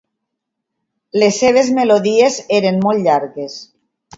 Les seves melodies eren molt llargues.